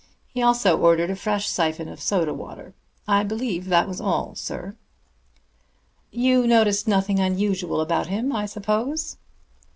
He also ordered a fresh syphon of soda water. I believe that was all, sir." "You noticed nothing unusual about him, I suppose."